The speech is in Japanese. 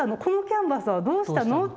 このキャンバスはどうしたの？